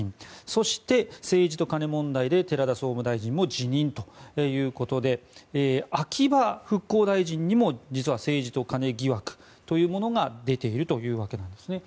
そして政治と金問題で寺田総務大臣も辞任ということで秋葉復興大臣にも実は政治と金疑惑というものが出ているというわけですね。